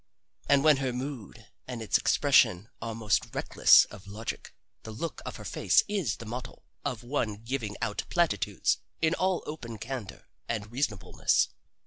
And when her mood and its expression are most reckless of logic the look of her face is the model of one giving out platitudes in all open candor and reasonableness.